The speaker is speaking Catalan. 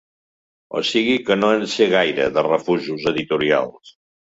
O sigui, que no en sé gaire, de refusos editorials.